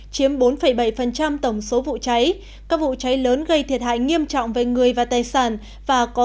chiếm bốn bảy tổng số vụ cháy các vụ cháy lớn gây thiệt hại nghiêm trọng về người và tài sản và có